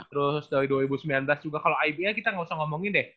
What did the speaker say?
terus dari dua ribu sembilan belas juga kalo ibl kita gausah ngomongin deh